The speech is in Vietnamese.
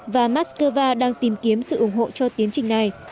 và moscow đang tìm kiếm sự ủng hộ cho tiến trình này